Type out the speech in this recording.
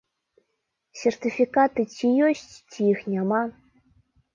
Сертыфікаты ці ёсць, ці іх няма!